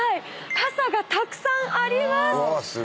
傘がたくさんあります。